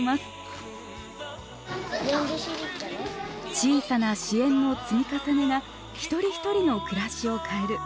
小さな支援の積み重ねが一人一人の暮らしを変える。